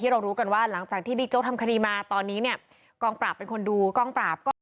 โรคโตเชียดอะไรอย่างมนุษย์มาก